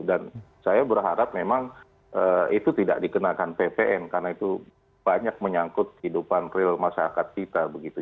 saya berharap memang itu tidak dikenakan ppn karena itu banyak menyangkut kehidupan real masyarakat kita begitu